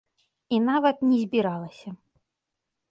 І нават не збіралася.